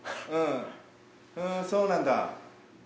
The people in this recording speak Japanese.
ふーんそうなんだ」。